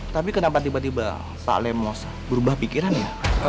tapi kenapa tiba tiba saatnya mau berubah pikiran ya